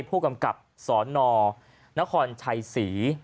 ผู้กำกับสนนครชัยศรี